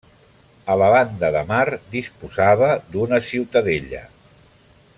A la banda de mar disposava d'una ciutadella.